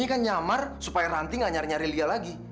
ini kan nyamar supaya ranti gak nyari nyari lia lagi